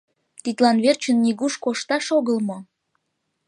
Тидлан верчын нигуш кошташ огыл мо?